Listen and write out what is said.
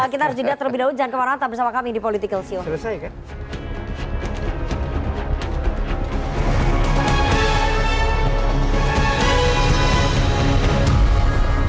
kita harus jadah terlebih dahulu jangan kemarahan tetap bersama kami di politicalsio